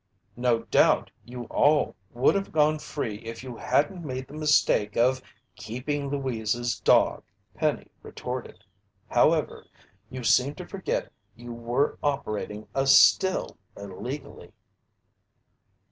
"No doubt you all would have gone free if you hadn't made the mistake of keeping Louise's dog," Penny retorted. "However, you seem to forget you were operating a still illegally."